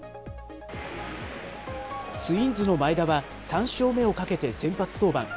ツインズの前田は、３勝目をかけて先発登板。